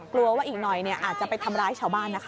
กลัวว่าอีกหน่อยอาจจะไปทำร้ายชาวบ้านนะคะ